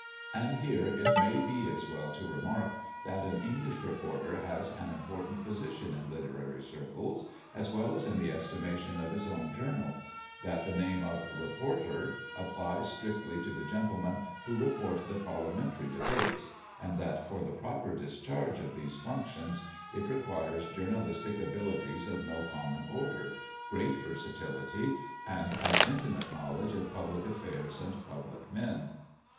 And here it may be as well to remark, that an English reporter has an important position in literary circles, as well as in the estimation of his own journal; that the name of reporter applies strictly to the gentlemen who report the Parliamentary debates; and that, for the proper discharge of these functions, it requires journalistic abilities of no common order, great versatility, and an intimate knowledge of public affairs and public men.